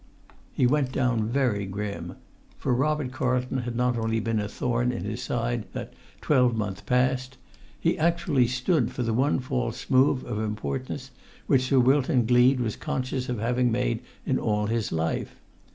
He went down very grim: for Robert Carlton had not only been a thorn in his side that twelve month past; he actually stood for the one false move, of importance, which Sir Wilton Gleed was conscious of having made in all his life.